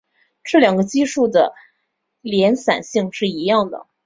这两个级数的敛散性是一样的。